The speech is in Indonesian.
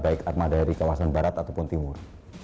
baik armada dari kawasan barat ataupun timur